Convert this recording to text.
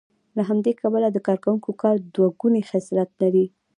له همدې کبله د کارکوونکو کار دوه ګونی خصلت لري